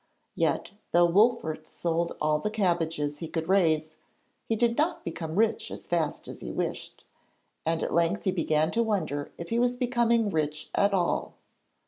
Yet, though Wolfert sold all the cabbages he could raise, he did not become rich as fast as he wished, and at length he began to wonder if he was becoming rich at all.